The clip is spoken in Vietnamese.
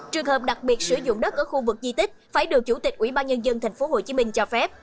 trường hợp đặc biệt sử dụng đất ở khu vực di tích phải được chủ tịch ủy ban nhân dân tp hcm cho phép